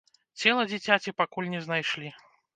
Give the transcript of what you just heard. Цела дзіцяці пакуль не знайшлі.